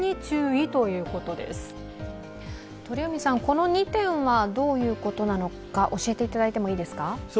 この２点はどういうことなのか教えていただいてもいいですか？